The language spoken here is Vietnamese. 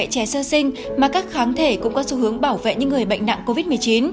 trẻ sơ sinh mà các kháng thể cũng có xu hướng bảo vệ những người bệnh nặng covid một mươi chín